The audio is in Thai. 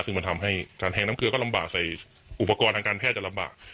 ซึ่งมันทำให้การแทงน้ำเกลือก็ลำบากใส่อุปกรณ์ทางการแพทย์จะลำบาก